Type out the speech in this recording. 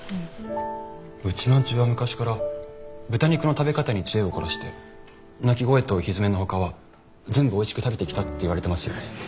ウチナーンチュは昔から豚肉の食べ方に知恵を凝らして鳴き声とひづめのほかは全部おいしく食べてきたっていわれてますよね。